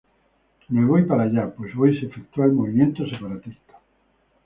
Me voy para allá, pues hoy se efectúa el movimiento separatista.